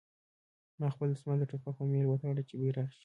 ما خپل دسمال د ټوپک په میل وتاړه چې بیرغ شي